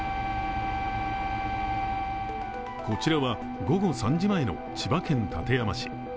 こちらは、午後３時前の千葉県館山市。